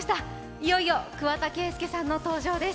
いよいよ桑田佳祐さんの登場です。